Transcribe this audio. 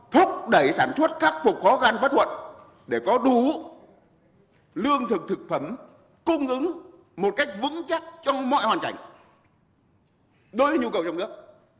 thúc đẩy sản xuất khắc phục khó khăn bất thuận để có đủ lương thực thực phẩm cung ứng một cách vững chắc trong mọi hoàn cảnh đối với nhu cầu trong nước